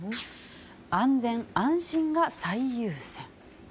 安全・安心が最優先。